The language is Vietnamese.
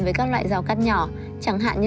với các loại rau cắt nhỏ chẳng hạn như